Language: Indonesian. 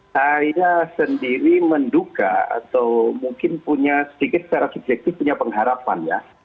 saya sendiri menduka atau mungkin punya sedikit secara subjektif punya pengharapannya